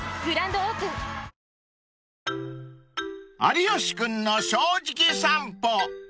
［『有吉くんの正直さんぽ』］